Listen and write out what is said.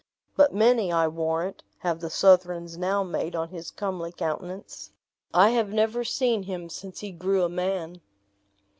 but many, I warrant, have the Southrons now made on his comely countenance. I have never seen him since he grew a man."